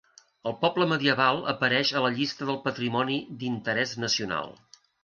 El poble medieval apareix a la llista del patrimoni d'interès nacional.